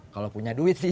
kalo punya duit sih